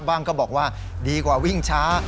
ก็บอกว่าดีกว่าวิ่งช้า